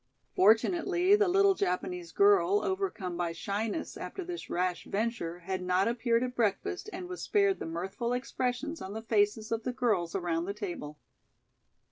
Fortunately, the little Japanese girl, overcome by shyness after this rash venture, had not appeared at breakfast and was spared the mirthful expressions on the faces of the girls around the table.